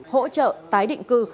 hỗ trợ tái định cư